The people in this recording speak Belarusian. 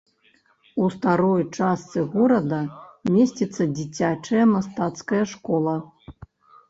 У старой частцы горада месціцца дзіцячая мастацкая школа.